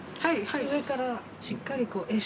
上からしっかりこう。